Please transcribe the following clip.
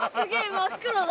真っ黒だ。